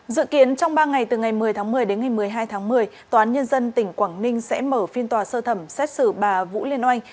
dự kiến trong ba ngày từ ngày một mươi tháng một mươi đến ngày một mươi hai tháng một mươi tòa án nhân dân tỉnh quảng ninh sẽ mở phiên tòa sơ thẩm xét xử bà vũ liên oanh